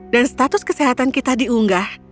dan status kesehatan kita diunggah